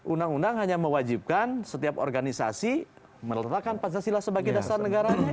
undang undang hanya mewajibkan setiap organisasi meletakkan pancasila sebagai dasar negaranya